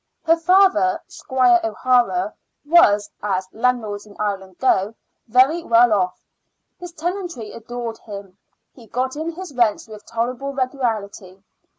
Her father, Squire O'Hara, was, as landlords in Ireland go, very well off. His tenantry adored him. He got in his rents with tolerable regularity.